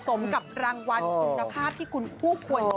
สมกับรางวัลคุณภาพที่คุณคู่ควร